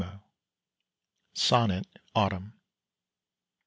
SONNET AUTUMN.